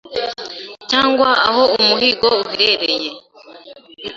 cyangwa aho umuhigo uherereye